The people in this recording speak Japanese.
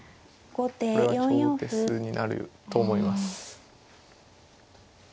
これは長手数になると思います。